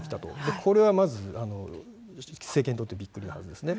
これはまず、政権にとってびっくりなはずですね。